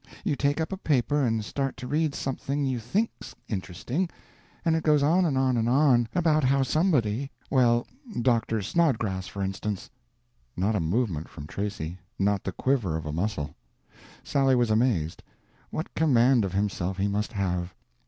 You take up a paper and start to read something you thinks interesting, and it goes on and on and on about how somebody—well, Dr. Snodgrass, for instance—" Not a movement from Tracy, not the quiver of a muscle. Sally was amazed —what command of himself he must have!